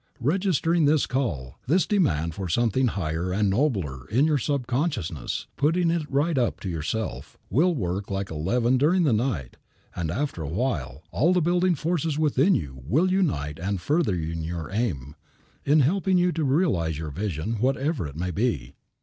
Registering this call, this demand for something higher and nobler, in your subconsciousness, putting it right up to yourself, will work like a leaven during the night; and, after a while, all the building forces within you will unite in furthering your aim; in helping you to realize your vision, whatever it may be.